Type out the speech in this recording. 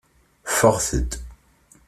Ffɣet-d.